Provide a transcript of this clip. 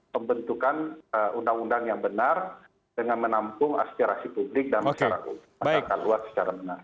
pembentukan undang undang yang benar dengan menampung aspirasi publik dan masyarakat luas secara benar